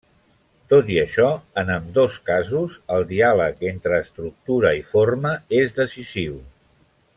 Tot i això, en ambdós casos, el diàleg entre estructura i forma és decisiu.